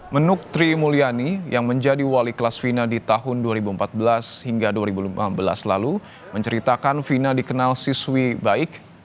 menuk tri mulyani yang menjadi wali kelas fina di tahun dua ribu empat belas hingga dua ribu lima belas lalu menceritakan vina dikenal siswi baik